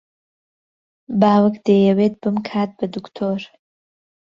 باوک دەیەوێت بمکات بە دکتۆر.